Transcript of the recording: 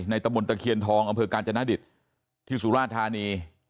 ในตะบนตะเขียนทองอกาญจนะดิษฐ์ที่สุรทานี